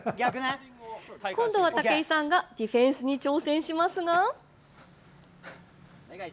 今度は武井さんがディフェンスに挑戦しますが。